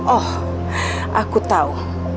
oh aku tahu